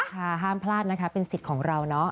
ห้ามพลาดนะคะเป็นสิทธิ์ของเราเนาะ